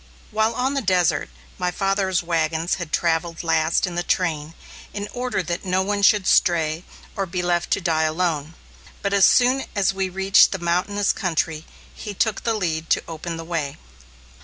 While on the desert, my father's wagons had travelled last in the train, in order that no one should stray, or be left to die alone. But as soon as we reached the mountainous country, he took the lead to open the way.